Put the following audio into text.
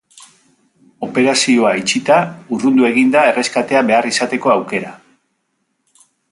Operazioa itxita, urrundu egin da erreskatea behar izateko aukera.